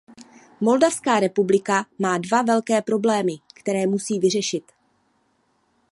Moldavská republika má dva velké problémy, které musí vyřešit.